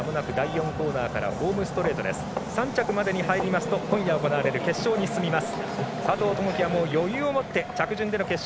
３着までに入りますと今夜行われる決勝に進みます。